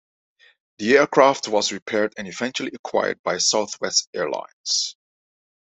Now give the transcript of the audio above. The aircraft was repaired and eventually acquired by Southwest Airlines.